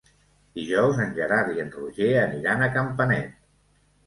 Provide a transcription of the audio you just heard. Dijous en Gerard i en Roger aniran a Campanet.